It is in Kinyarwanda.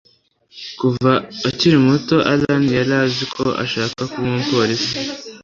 kuva akiri muto, alain yari azi ko ashaka kuba umupolisi